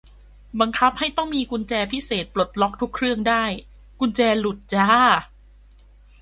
บังคับให้ต้องมีกุญแจพิเศษปลดล็อกทุกเครื่องได้ กุญแจหลุดจ้า